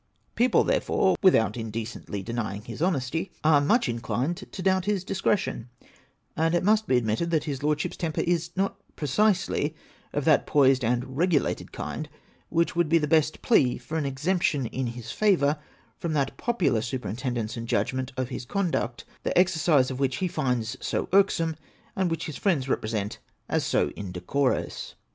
People, therefore, without indecently denying his honesty, are much inclined to doubt his discretion ; and it must be admitted, that his Lordship's temper is not precisely of that poised and regulated kind which would be the best plea for an ex emption in his favour from that popular superintendence and judgmeUt of his conduct, the exercise of which he finds so irksome, and which his friends represent as so indecorous.